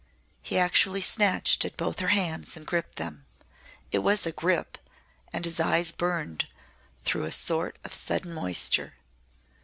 He actually snatched at both her hands and gripped them. It was a grip and his eyes burned through a sort of sudden moisture.